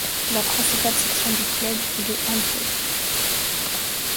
La principale section du club est le handball.